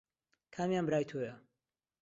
کامیان برای تۆیە؟